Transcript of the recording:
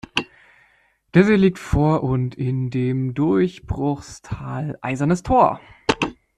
Der See liegt vor und in dem Durchbruchstal „"Eisernes Tor"“.